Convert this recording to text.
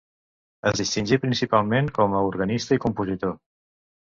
Es distingí principalment com a organista i compositor.